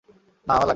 না, আমার লাগবে না।